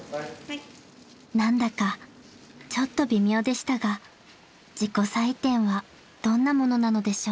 ［何だかちょっと微妙でしたが自己採点はどんなものなのでしょう？］